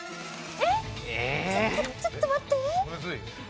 えっちょっと待って！